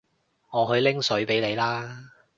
我去拎水畀你啦